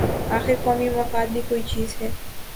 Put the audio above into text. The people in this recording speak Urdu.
آخر قومی مفاد بھی کوئی چیز ہے۔